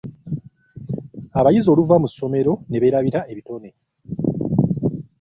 Abayizi oluva mu ssomero ne beerabira ebitone.